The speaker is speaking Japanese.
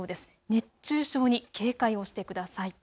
熱中症に警戒をしてください。